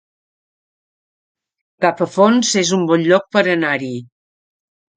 Capafonts es un bon lloc per anar-hi